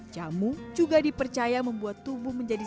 jamu juga dipercaya membuat tubuh menjadi